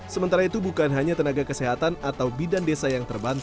sementara itu bukan hanya tenaga kesehatan atau bidan desa yang terbantu